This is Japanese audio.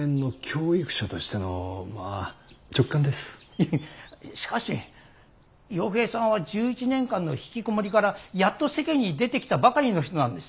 いやしかし陽平さんは１１年間のひきこもりからやっと世間に出てきたばかりの人なんです。